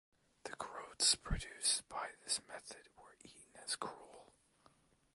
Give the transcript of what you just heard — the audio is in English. The groats produced by this method were eaten as gruel.